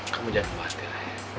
kamu jangan khawatir